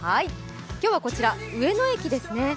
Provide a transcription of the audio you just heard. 今日はこちら、上野駅ですね。